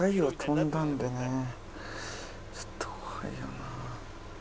ちょっと怖いよな。